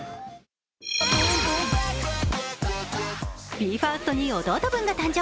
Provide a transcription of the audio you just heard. ＢＥ：ＦＩＲＳＴに弟分が誕生。